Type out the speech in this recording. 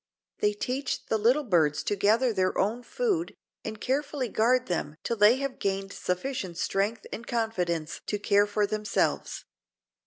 They teach the little birds to gather their own food and carefully guard them till they have gained sufficient strength and confidence to care for themselves.